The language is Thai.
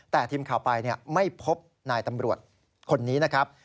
แต่ทีมข่าวไปไม่พบนายตำรวจคนนี้นะครับ